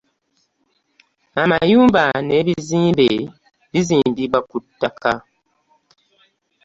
Amayumba n'ebizimbe bizimbibwa ku ttaka.